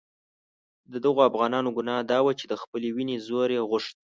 د دغو افغانانو ګناه دا وه چې د خپلې وینې زور یې غوښت.